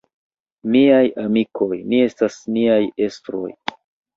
Miaj amikoj, ni estas niaj estroj.